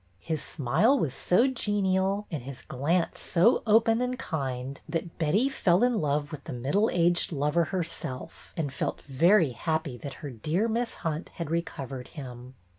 His smile was so genial and his glance so open and kind that Betty fell in love with the middle aged " lover herself, and felt very happy that her dear Miss Hunt had recovered him.